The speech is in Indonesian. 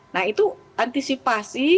nah itu antisipasi